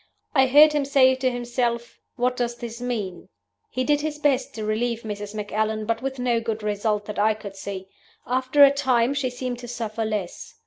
I heard him say to himself, 'What does this mean?' He did his best to relieve Mrs. Macallan, but with no good result that I could see. After a time she seemed to suffer less.